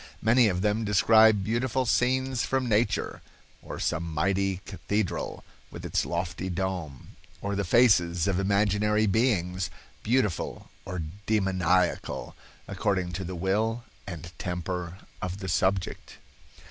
Many of them describe beautiful scenes from nature, or some mighty cathedral with its lofty dome, or the faces of imaginary beings, beautiful or demoniacal, according to the will and temper of the subject."